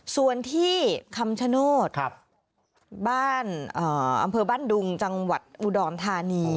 ส่วนที่คำชโนธบ้านอำเภอบ้านดุงจังหวัดอุดรธานี